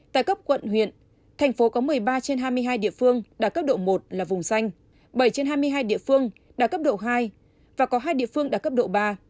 tại cấp quận huyện thành phố có một mươi ba trên hai mươi hai địa phương đạt cấp độ một là vùng xanh bảy trên hai mươi hai địa phương đạt cấp độ hai và có hai địa phương đạt cấp độ ba